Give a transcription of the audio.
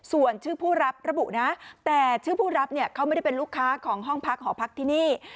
ส่วนชื่อผู้รับระบุนะแต่ชื่อผู้รับเนี่ยเขาไม่ได้เป็นลูกค้าของห้องพักหอพักที่นี่